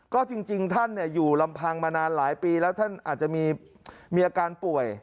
ก็จริงท่านอยู่ลำพังมานานหลายปีแล้วท่านอาจจะมีอาการป่วย